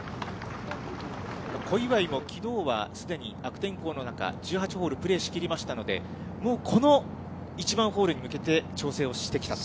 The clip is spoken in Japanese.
小祝もきのうはすでに悪天候の中、１８ホールプレーしきりましたので、もうこの１番ホールに向けて調整をしてきたと。